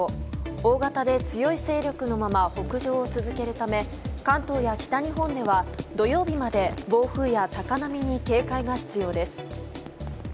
大型で強い勢力のまま北上を続けるため関東や北日本では土曜日まで暴風や高波に警戒が必要です。